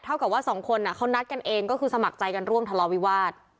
กับว่าสองคนเขานัดกันเองก็คือสมัครใจกันร่วมทะเลาวิวาส